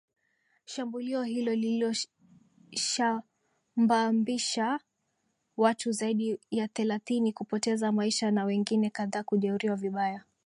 shambulio hilo lililoshambabisha watu zaidi ya thelathini kupoteza maisha na wengine kadhaa kujeruhiwa vibaya